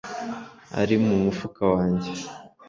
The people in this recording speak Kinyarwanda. Ari mu mufuka wanjye